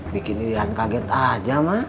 bikin irian kaget aja mak